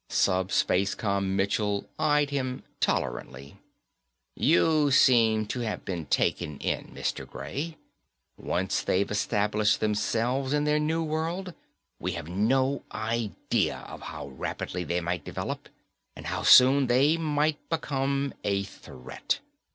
SupSpaceCom Michell eyed him tolerantly. "You seem to have been taken in, Mr. Gray. Once they've established themselves in their new world, we have no idea of how rapidly they might develop and how soon they might become a threat.